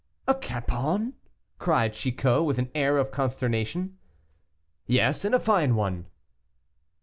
"A capon!" cried Chicot, with an air of consternation. "Yes, and a fine one."